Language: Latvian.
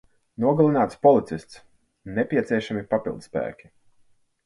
Nogalināts policists. Nepieciešami papildspēki.